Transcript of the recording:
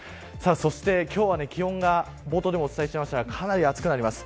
そして今日は気温が冒頭にもお伝えしましたがかなり暑くなります。